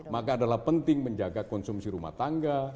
maka adalah penting menjaga konsumsi rumah tangga